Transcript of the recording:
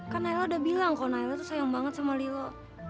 kan nailah udah bilang kalau nailah itu sayang banget sama lilo